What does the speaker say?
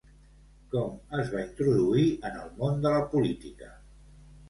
Com es va introduir en el món de la política?